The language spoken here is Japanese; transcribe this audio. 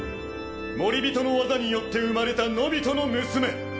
モリビトの技によって生まれたノビトの娘。